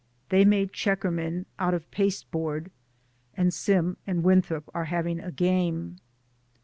They made checkermen out of pasteboard, and Sim and Winthrop are having a game.